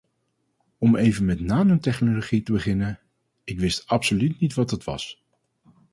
Om even met nanotechnologie te beginnen: ik wist absoluut niet wat het was.